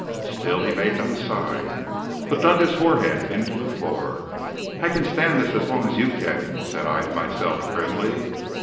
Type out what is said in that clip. Still he made no sign, but dug his forehead into the floor. "I can stand this as long as you can," said I to myself grimly.